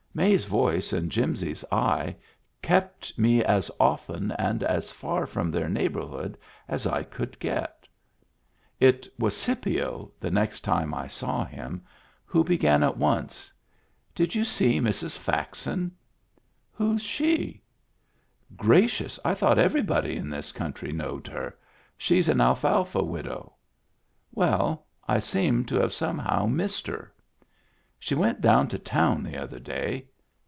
May's voice and Jimsy's eye kept me as often and as far from their neighborhood as I could get. It was Scipio, the next time I saw him, who be gan at once :" Did you see Mrs. Faxon ?" "Who's she?" " Gracious 1 I thought everybody in this coun try knowed her. She's an alfalfa widow." " Well, I seem to have somehow missed her." " She went down to town the other day.